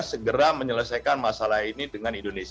segera menyelesaikan masalah ini dengan indonesia